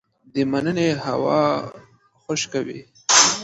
د مني هوا خشکه وي